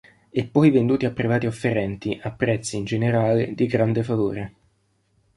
Eppoi venduti a privati offerenti, a prezzi, in generale, di grande favore.